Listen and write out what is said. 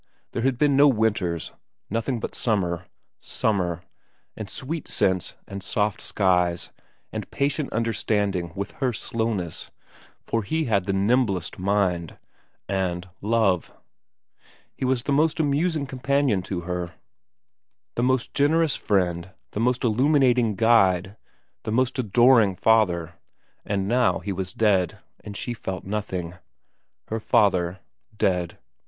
There had been no winters ; nothing but summer, summer, and sweet scents and soft skies, and patient understanding with her slowness for he i VERA 3 had the nimblest mind and love. He was the most amusing companion to her, the most generous friend, the most illuminating guide, the most adoring father ; and now he was dead, and she felt nothing. Her father. Dead.